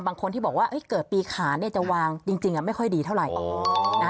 บางคนที่บอกว่าเกิดปีขานจะวางจริงไม่ค่อยดีเท่าไหร่